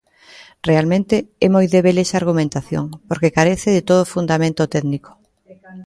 Realmente, é moi débil esa argumentación, porque carece de todo fundamento técnico.